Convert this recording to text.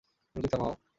Music থামাও।